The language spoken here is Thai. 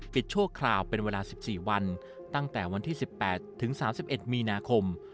ชั่วคราวเป็นเวลา๑๔วันตั้งแต่วันที่๑๘ถึง๓๑มีนาคม